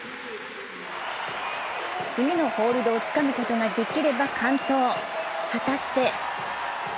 次のホールドをつかむことができれば完登、果たして。